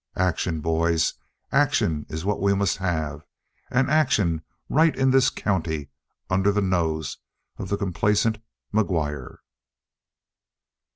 Action, boys; action is what we must have, and action right in this county under the nose of the complacent McGuire!"